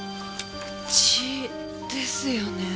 血ですよね？